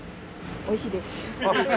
おいしいです。